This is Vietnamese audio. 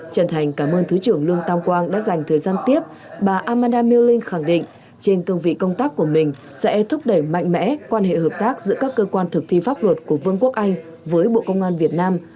trần thành cảm ơn thứ trưởng lương tam quang đã dành thời gian tiếp bà amada milling khẳng định trên cương vị công tác của mình sẽ thúc đẩy mạnh mẽ quan hệ hợp tác giữa các cơ quan thực thi pháp luật của vương quốc anh với bộ công an việt nam